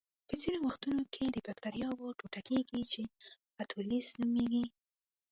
په ځینو وختونو کې بکټریاوې ټوټه کیږي چې اټولیزس نومېږي.